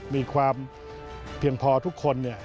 มีความเพียงพอทุกคน